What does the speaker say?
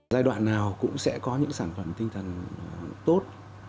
giai đoạn nào cũng sẽ có những sản phẩm tinh thần tốt